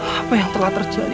apa yang telah terjadi